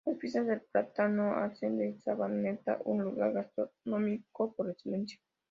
Las fiestas del plátano hacen de Sabaneta un lugar gastronómico por excelencia.